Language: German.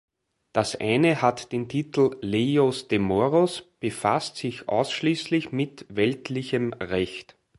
Das eine hat den Titel "Leyes de moros", befasst sich ausschließlich mit weltlichem Recht.